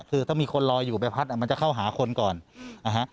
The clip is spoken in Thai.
คือถ้ามีคนลอยอยู่ใบพัดมันจะเข้าหาคนก่อนนะฮะ